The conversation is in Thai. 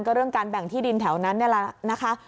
ก็เรื่องการแบ่งที่ดินแถวนั้นนี่แหละนะคะ